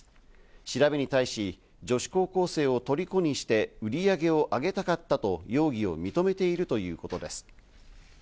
調べに対し女子高校生を虜にして売り上げを上げたかったと容疑を認めているということです。